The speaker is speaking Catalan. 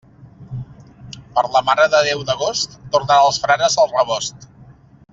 Per la Mare de Déu d'agost, tornen els frares al rebost.